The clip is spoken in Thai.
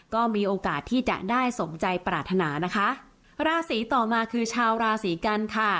ก็มีโอกาสที่จะได้สมใจปรารถนานะคะราศีต่อมาคือชาวราศีกันค่ะ